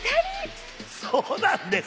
そうなんです。